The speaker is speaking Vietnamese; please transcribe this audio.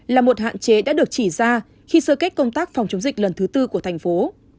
là một hạn chế đã được chỉ ra khi sơ kết công tác phòng chống dịch lần thứ tư của thành phố